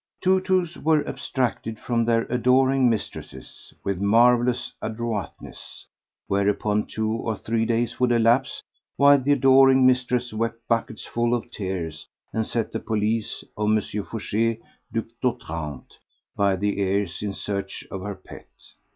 Tou tous were abstracted from their adoring mistresses with marvellous adroitness; whereupon two or three days would elapse while the adoring mistress wept buckets full of tears and set the police of M. Fouché, Duc d'Otrante, by the ears in search of her pet.